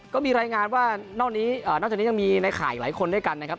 ก็มีรายงานว่านอกจากนี้ยังมีในข่ายอีกหลายคนด้วยกันนะครับ